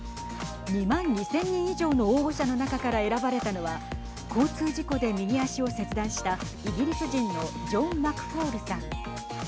２万２０００人以上の応募者の中から選ばれたのは交通事故で右足を切断したイギリス人のジョン・マクフォールさん。